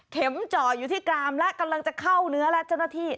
จ่ออยู่ที่กรามและกำลังจะเข้าเนื้อและเจ้าหน้าที่